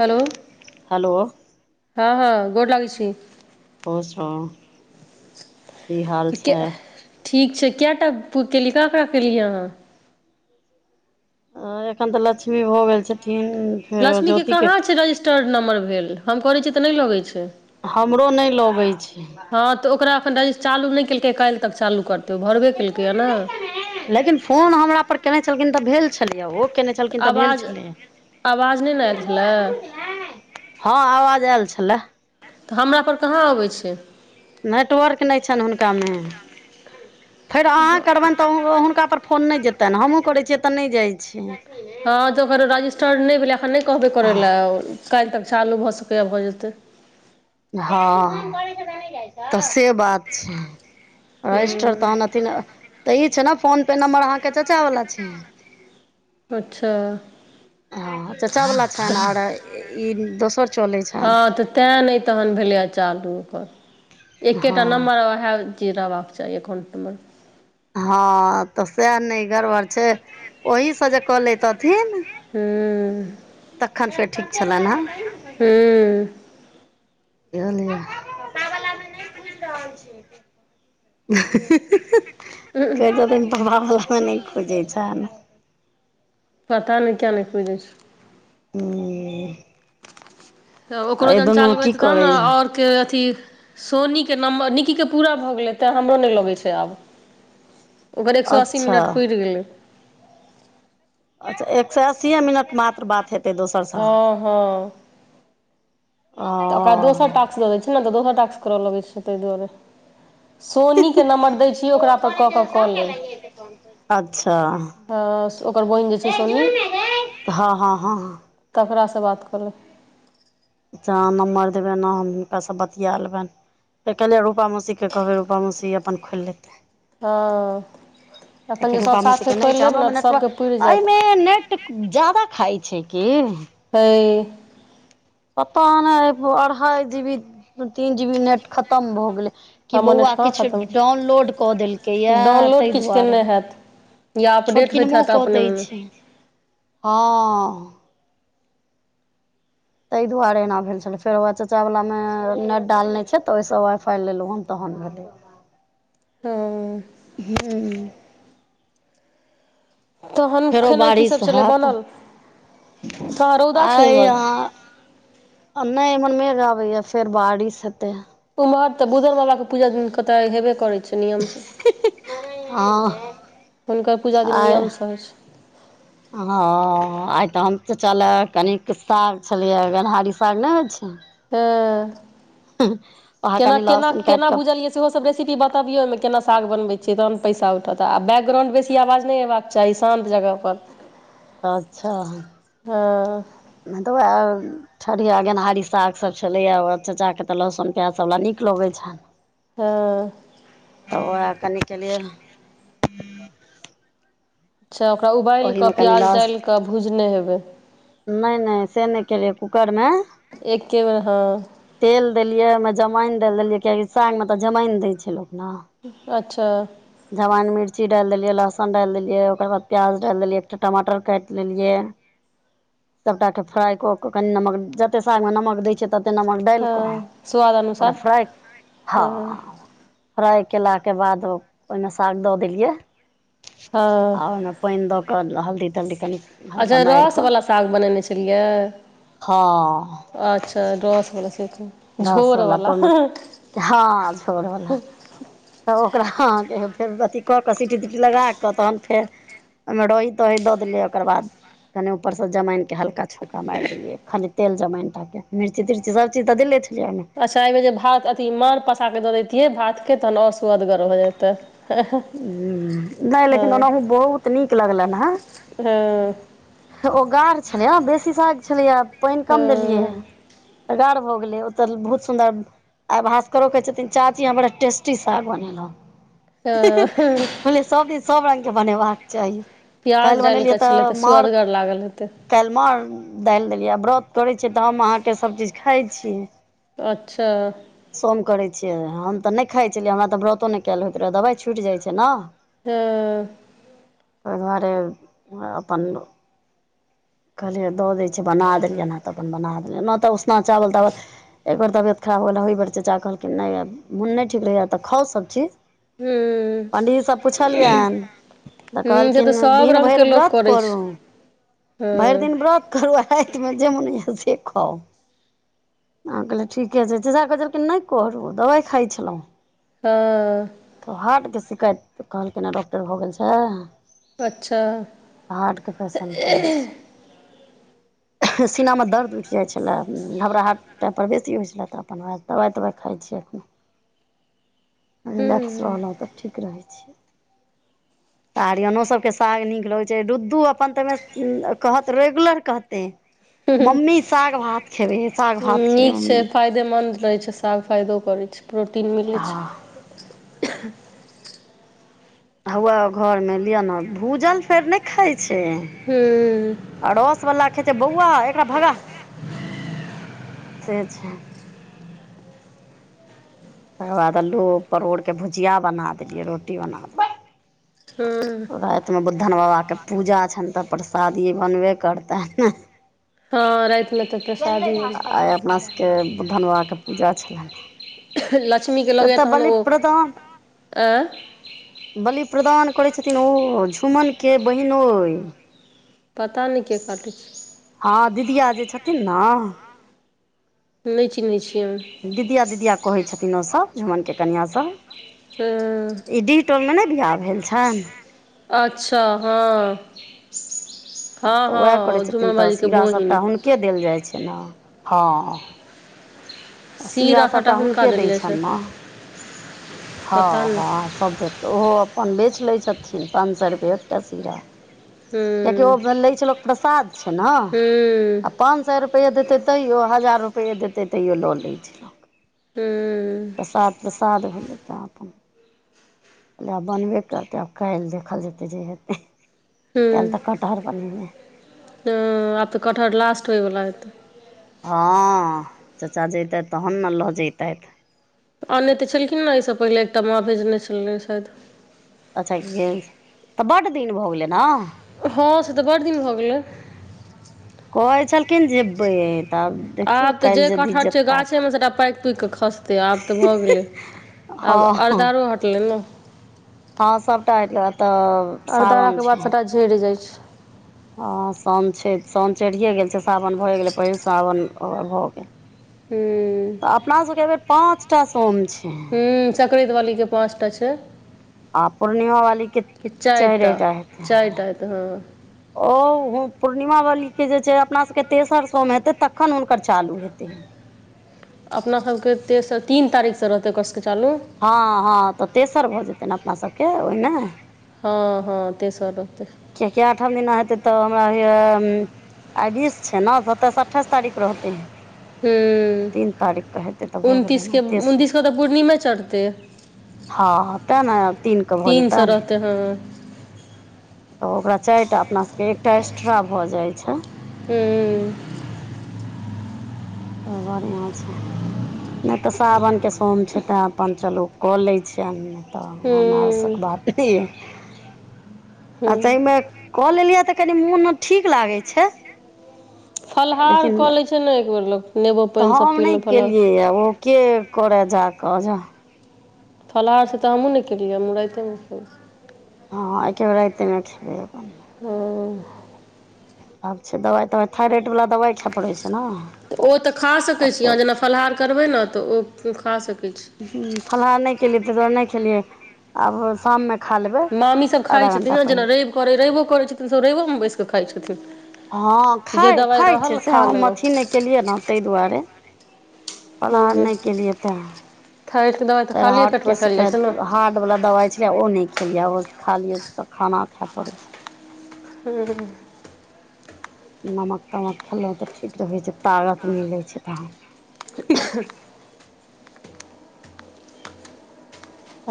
Hello hello- हँ- हँ -गोड लागय छी खुश रहु। की हाल कै, छै ठीक छय, कए टा फु केली? ककरा-ककरा केलीै अहाँ? हां एख्खन तऽ लक्ष्मी भऽ गेल छथिन। फेर लक्ष्मीके ज्योतिके कहाँ छै रजिस्टर्ड नम्बर भेल, हम करैत छीयै तऽ नय लगै छै। हमरो नय लगै छै। हँ तऽ ओकरा एखन रजि- चालू नय केलकै, काइल तक चालू करतै ओ भरबे केलकैयैऽने। लेकिन फोन हमरा परर केने छलखिन तऽ भेल छलै ओ। केने तऽ छलखिन भेल आवाज, आवाज नय ने ऐल छलै? हँ, आवाज ऐल छलैऽ। तऽ हमरा पर कहाँ अबै छै। नेटवर्क नय छैन हुनकामे, फेर अहाँ करबैन तऽओ हुनका पर फोन नय जेतैन, हमूँ करैत छियै तऽ नय जाइ छै। हँ तऽ ओकर रजिस्टर्ड नय भेलै, एखन नय कहबै करय लय, काइल तक चालू भऽ सकैयै भऽ जेतैय। हँ तऽ से बात। छय, रजिस्टर तहन हूँ अथिने तऽ ई छै ने फोन नंबर अहाँ के चचा वला छै। अच्छा। हँ, चचावला छैन आओर ई दोसर चलै छैन। तें नय तहन भेलैयै चालू ओकर, एक्केटा हँ नम्बर वैहे जी रहबाक चाही एकाउंट में। हँ तऽ सैह नय गड़बड़ छै, ओहिसँ जे कऽ लैतथिन। हूँ तखन फेर ठीक छले ने? हूँ [unintelligible] नइ खुइज़ रहल छैय। कहय छथिन भाभो नै खुजय छैन? पता नै कियैऽ नै खुलै छई। हुं तऽ ओकरो जन चालु की होछय तहन करै और के अथी, सोनी के नम्बर, निक्की के पूरा भऽ गेलै तेँ हमरो नय लगै छैय आब। ओकर एक सौ अस्सी अच्छा मिनट पुइर गेलै। अच्छा एक सौ अस्सीेये मिनट मात्र बात हेत हँ- हँ। ओ तऽ ओकरा दोसर टास्क दऽ दै छै ने तऽ दोसर टास्क कर लगै छै तै दुआरे। सोनीके नम्बर दैय छि ओकरापर कऽ कऽ कऽ लेब। अच्छा हं ओकर बहिन जे छैय सोनी। हँ- हँ- हँ-हं। तकरासँ बात कले। ज अहाँ नम्बर देबै न हम हुनका सँ बतिया लेबैन। त कहलिय रूपा मौसी के कहबै रूपा मौसी अपन खोइल लेतै। हँ अपन एक जे सभ रूपा मे त त साथे [unintelligible] नै खोलि छै लेब हमरा ने तऽ मे सभके पुरि नेटवर्क एहि जायत मे नेट। जादा खाय छैइ की। तै। पता नइ अढ़ाई जी बी तीन जी बी नेट खतम भऽ गेलैय। कि हमर नेट बौआ कहाँ किछ खतम डाउनलोड कऽ देलकैय यै डाउनलोड तइ किछु दुआरे। केने हैत या छोट अपडेट होइत किनमो हैत कऽ अपने दै मोने छैय हँ। तइ दुआरे एना भेल छलै फेर वैह चच्चा वला मे नेट डालने छैय तऽ ओइ सँ वाइ फाइ लेलहुँ हन तखन भेलौये।। हं हूँ तहन फेरो खेनाइ की बारिश सब छेलै हैत बनल। कहाँ रौदा छै आइ इम्हर या। हम नइ एमहर मेघआबैयाा फेर बारिश हेते। उम्हर तऽ बुधन बाबा के पूजा दिन क कते हेबे करै। नियम सऽ हँ हुनकर पुजा दिन नियम सऽ होइ छैय। हं आइ तऽ हम चच्चा लै कनिक साग छलैए गेनहारी साग नहि होइ छैय। हं वएह केना कनि केना लहसुन काटि केना कऽ बुझलिय। सेहो सब रेसपी बतबियो ओइ मे केनाा साग बनबैय छीय तहन पैसा उठत आ बैकग्राउंड बेसी अवाज नहि एबाक। चाही शानत जगह पर। अच्छा हेतौ ऐल। ठरिया गेनहारी साग सभ छलैया ओ चच्चा के तऽ लहसुन प्याज सभ बला नीक लगै छैन। हं। तऽ ओएह कनि के लेल। अच्छाओकरा उबालि कऽ ओहीमे कनि प्याज डालि कऽ भुजने हेबै। नई नइ से नहि केलियै कुकर मे। एके बेर हं। तेल देलियै ओहि मे जमाइन डायल देलियै किया कि साग मे तऽ जमाइन दै छै लोक न। अच्छा। जमइन मिर्ची डालि देलियै लहसन डालि देलियै ओकर बाद प्याज डालि देलियै एकटा टमाटर काटि लेलियै। सबटा के फ्राई क कऽ कनि नमक जते साग मे नमक दय छै तते नमक। डालि हँ कऽ स्वाद ओकरा अनुसार फ्राइ हँ हं। फ्राई केला के बाद ओहि मे साग दऽ देलियै हँ आ ओहि मे। पैइन दऽ कऽ हल्दी तल्दी कनि। अच्छा हल्का मारि रस कऽ वला साग बनेने छेलियै। हँ अच्छा रस वला स [unintelligible] झोर वला हं झोर वला। तऽ ओकरा हाँ? के फेर अथि कऽ कऽ सीटी तिटी लगा कऽ तखन फेर। ओहि मे रही तही दऽ देलियै ओकर बाद कनि ऊपर स जमाइन। के हल्का छोंका मारि देलियै खाली तेल जमाइनटा के मिर्ची तिरची सबचीज तऽ देले छलियै ओइ मे। अच्छा एहि मे जे भात अथी माँड़ पसा कऽ दऽ देैतियै भातके तहन आओर सु्वद गर भ जेतै। हँ हूं नहि लेकिन ओनाहु बहुत नीक लगलनि हें। हं। ओ गाढ़ छलैया बेसी साग छलैया पैइन कम देलियै हँ तऽ गाढ। भ गेलै ओतऽ बहुत सुन्दर। आ भास्करो कहैय छथिन चाची अहां बड़ा टेस्टी साग बनेलहुं। हँ कहलिय सबदिन सब रंग के बनेबाक चाही पियाज काल्हि डाल कऽ छलै तऽ सुआदगर लागल हेतै। काल्हि माड दालि देलियै व्रत करै छियै तऽ हम अहाँके सभ चीज खाइ छि अच्छा। सोम करैत छियै हम तऽ नहि खाइत छलियै हमरा तऽ व्रतो नहि कयल होइत रहए दबाइ छूटि जाइत छै ने ह। ताहि दुआरे नै अपन कहलियै दऽ दै छियै बना देलियै हेन तऽ अपन बना देलियै हेन तऽ ओना उसना चावल तावल एकबेर तबियत खराब होल ओहि बेर चाचा कहलखिन नहि मोन नहि ठीक रहैए तऽ खाउ सभचीज हूँ हूँ पण्डींजी सऽ पुछलियनि तऽ से कहलखिन सब दिन भरि व्रत करू हू। भरि व्रत करू राति मे जे मोन होइया से खाउ [unintelligible] ठीके छै तऽ नहि करू दवाइ खाइ छलहुँ तऽ तऽ हार्टके शिकायत तऽ कहलकैन ह डॉक्टर भऽ गेल छै अच्छा। हार्टके पेशेंट कहै सीनामे दर्द उठि जाइ छलय घबराहट टाइप पर बेसी होइ छलय तऽ अपन दबाइ तवाइ खाइ छियै रिलैक्स हूँ रहलहुँ तऽ ठीक रहै छीय। आरियनो सबके साग नीक लगैत छै रुदू अपन तऽ में कह तऽ रेगुलर कहते मम्मी साग भात खेबेे साग भात खेबे नीक छै मम्मी फायदेमन्द रहैत छै साग फायदो करै छै प्रोटीन मिलैत हँ छै। हौए घरमे लिअ ने भूजल फेर नहि खाइत छै। हू। अड़ोस वला खेत बौआ एकरा भगा से छैा तकर बाद अल्लू अ परोड़के भुजिया बना देलियै रोटी बना दे हूं। रातिमे बुद्धन बाबाके पूजा छनि तऽ परसादी बनबे करतनि हँ रातिमे तऽ गेलै प्रसादी [unintelligible] आई अपना सभके बुद्धन बाबाके पूजा छलनि लक्ष्मी के लगे य एतय तहन बलि ओ प्रदान [unintelligible] आ बलि प्रदान करै छथिन ओ झुम्मन के बहिनोइ पता नहि के काटै छै। हँ दीदिया जे छथिन ने। नहि चिन्हैत छियै दीदिया दीदिया कहै छथिन ओसभ झुमनके कनिआँ सभऽ हँ। ई डि टोलमे नहि बिआह भेल छनि। अच्छा हँ आब हँ हँ जुम्मा बाली के बोहिन के देल जाइ छै ने हँ सीरा आटाटा सभटा हुनका हुनके देल दै जाइ छै छनि ने पता हँ नहि हँ सभ बेर ओहो अपन बेच लै छथिन पाँच सए रुपैए एकटा सीरा। कियकि ओ हूँ लै छै लोक प्रसाद छै ने। हूँ पाँच सए रुपैए देतै तैओ हजार रुपैए देतै तैओ लऽ लै छैय। हम्म प्रसाद-प्रसाद भेलै। तऽ अपन इ आब बनबे करतै, आब काल्हि देखल जेतै जे हेतै। कैल तऽ कटहर बनेबै। हम्म आब तऽ कटहर लास्ट होइवला हेतै। हँ चाचा जैतथि तहन ने लऽ जैतथि। त अनने तऽ छलखिन न एहिसँ पहिले एकटा मां भेजने छलै शायद। अच्छा गेल छै तऽ बड दिन भऽ गेलै न। हँ से तऽ बड दिन भऽ गेलै। कहै छलखिन जेबै तब देखियौ आब तऽ जे काल्हि यदि कटहर छै, जेता तऽ गाछेमे सबटा पाइकि-पुइक कऽ खसतै आब तऽ भऽ गेलै। आब हँ अरदरो हटलै न। हँ सबटा हैट गेल आब तऽ सावन छै। झैड़ जाइ छै। हँ सौन छै सौन चढ़ियए गेल छै, सावन भऽए गेलै पहिल साओन ह‌उवै भऽ गेल। हूं त अपना सबके एहि बेर पाँचटा सोम छै। आ हम्म संक्रैत वाली के पाँच टा छै। आ पूर्णिमा वाली के कि चारिटा चाइरे टा हेतै चारिटा हँ। हेतै ओ हू पूर्णिमा वालीके जे छै अपना सबके तेसर सोम हेतै तखन हुनकर चालू हेतै। अपना सबके तेसर तीन तारीखसँ रहतै ओकर सबके चालू। हँ-हँ तऽ तेसर भऽ जेतै न अपना सबके ओहिमें। हँ-हँ तेसर रहतै। कियाकि आठम दिना हेतै तऽ हमरा होएय आइ बीस छै न सत्ताइस अठाइस तारीख रहतेै। हूँ तीन तारीख क हेतै तऽ भऽ गेलै न उनतीसके तेसर। उनतीसके तऽ पूर्णिमे चढ़तै हँ-हँ तें ने आब तीन क भऽ जेतनि। त हँ तऽ ओकरा चारिटा अपना सबके एकटा एक्स्ट्रा भऽ जाइ छै। हम्म त बढ़ियां छै। नहि तऽ सावनके सोम छै तैं अपन चलू कऽ लै छियनि। तऽ हम हूँ हूँ आसक बात नहि अय। आ हूँ तय मे कऽ लेलियै तऽ कनि मोन अब ठीक लागै छै। फलहार लेकिन कऽ लैय छै ने एक बेेर लोक नेबो तऽ पानि सब हम पी नहि लेलहुँ केलियै फलाहार य ओ के करै जा क जाह। फलाहार से तऽ हमहुं नहि केलियै हमहुं राइतेमे खेबै। हँँ एके बेेर राइते मे खेबै अपन। हम्म आब छै, दबाइ-तबाइ थाइरइड वला दबाइ खै पड़ै छै न। त ओ तऽ खा सकै छी, अहाँ जेना फलाहार करबै न तऽ ओ खा सकै छी। हूं फलाहार नहि केलियै तय दुवारे नहि खेलियै आब शाममे खा लेबै मामीसब खाइ आधा छथिन घण्टा न, जेना पहिले रवि करै रवि करै छथिन ओ सब रविओ मे बैसि कऽ खाइ छथिन। हँ जे खाय दवाइ खाइ छै रहल से खा हम लेलहुँ अथी नहि केलियै न तहि दुआरे। फलाहर हूँ नहि के लिए तें, थाकि देबै तऽ फेर खालिए हर्ट पेटमे के खाएल जाइ छै शिकायत ने हार्ट बला दवाइ छियै ओ ने खेलिआ खा लियै त खाना खैब पोड़ै, हू नमक तमक खेल त ठीक रहै छै तागत मिलै छै तहन। अहई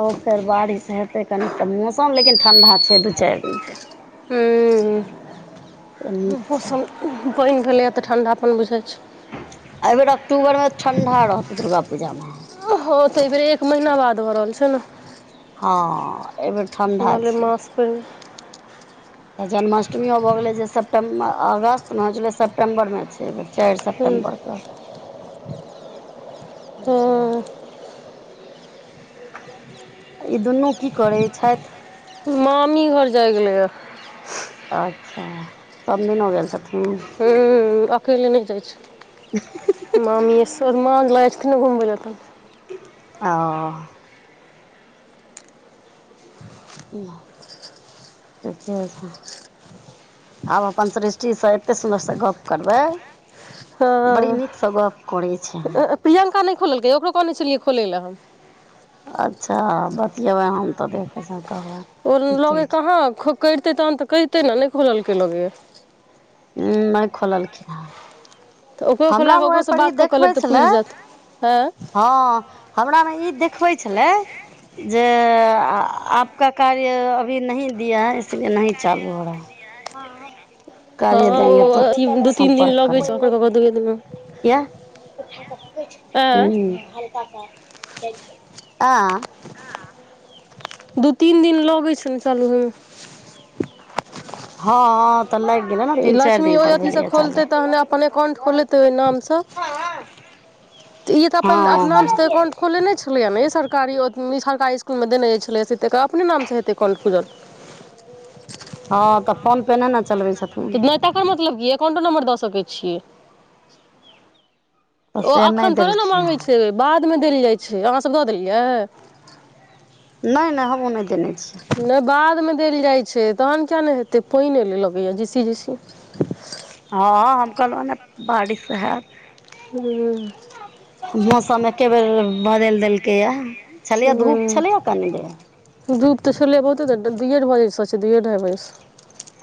ओ फेर बारिश हेतै कनी त मौसम लेकिन ठंढा छै दू चैर दिनसँ। हूँ अमित, मौसम पइन भेलैए त ठंडा पन बुझै छै। एय बेेर अक्टूबरमे ठंडा रहतै दुर्गा पूजामे। ओहो त एइ बेेर एक महीना बाद भ रहल छैय न। हँ एयबेर ठंण्डा छै। पर त जन्माष्टमिओ भ गेलै जे सेप्टेम्बर अगस्तमे छलै सेप्टेम्बरमे, अय बेर चैर हूँ सेप्टम्बर क। गरा हँ ई दुनू की करैय छैथ। मामी घर जाइ गेलैया। अच्छा समधीनो गेल छथिन। हु-हु अकेले नई जाइ छैथिन। मामेए सिनेमा [unintelligible] आँ। [inaudible] अब अपन सृष्टिसँ एते सुन्दरसँ गप्प करबै। बड़ी हँ नीकसँ गोप करै छै। प्रियंका नय खोलकै ओकरो कहने छलियै खोलैए हम। अच्छा बतियबै हम त देखै छ कहबै की केलखिन, हँ खू, करैते तहन त कहिते [unintelligible] उ नय खोलल खिन है। त ओकरो खोलाक ओकरोसँ बात क क देखबै लेब त छलै पूइर जैत है। हँ हमरामे ई देखबै छलै, [unintelligible] जिय अथी दू तीन दिन लगै छै [unintelligible] [inaudible] हल्का आँय सा, आँ। दू तीन दिन लोगै छैन चालू होइ, हँआ। ई लक्ष्मी ओए अथिसँ खोलतै तहन अपन एकाउंट खोलेतै ओये नामसँ। ईे त अपन अप नाम स त एकाउंट हँ खोलेने छै। छलैए ने ई सरकारी ओथि हरकारी इसकुलमे देनेइ छलै से अपने नामसँ हेतै अकाउंट खुलल। ऐवै हँ त फोन पे ना ना चलबे छ, तकर मतलब की एकाउंटो नम्बर द सकै छियै। तऽ ओ से नहि एखन थोड़े ने देलखिन मांगे हेँ छै बादमे देल जाइ छै अहाँ सब द देलियै। ना ना हमू नै देने छि। नै बाद मे देल जाय छै तहन किया नै हेतै पेएन एलय लगैया झीसी-झीसी। हां-हां हम कहलौ ने बारिश हैत। हुं। मौसम एके बेर बदैल देलकैया, छलिये धूप हूँ छलैए कनि देर। धूप तऽ छलै बहुते देर तक दुयेड बजे से छैै, दुइये ढ़ाई बजे से।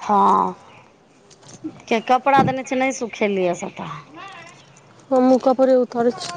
हां किया कपड़ा देने छै नै सुखेलैया सबटा। हमु कपड़े उतारे छी।